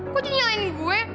kok aja nyalain gue